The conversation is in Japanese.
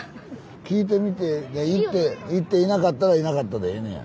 行って行っていなかったらいなかったでええのや。